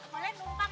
boleh numpang aja